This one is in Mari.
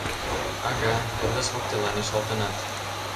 — Ага, пырдыж воктелан ишалтынат!